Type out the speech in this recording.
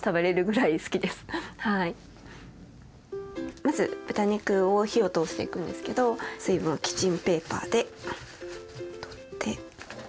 まず豚肉を火を通していくんですけど水分をキッチンペーパーで取って。